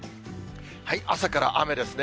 朝から雨ですね。